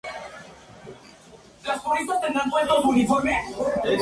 Si la velocidad excede la velocidad crítica, ocurrirán salpicaduras.